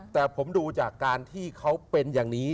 แต่ผมดูจากการที่เขาเป็นอย่างนี้